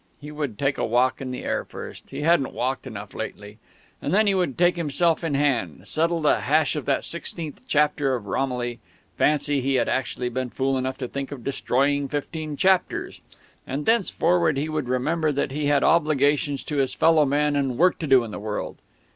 He would take a walk in the air first he hadn't walked enough lately and then he would take himself in hand, settle the hash of that sixteenth chapter of Romilly (fancy, he had actually been fool enough to think of destroying fifteen chapters!) and thenceforward he would remember that he had obligations to his fellow men and work to do in the world.